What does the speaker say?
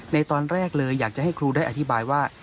ในตอนแรกเลยอยากจะให้ครูได้อธิบายว่า